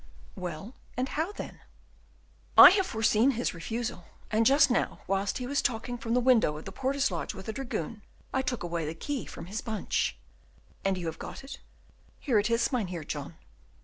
"Well, and how then?" "I have foreseen his refusal, and just now whilst he was talking from the window of the porter's lodge with a dragoon, I took away the key from his bunch." "And you have got it?" "Here it is, Mynheer John."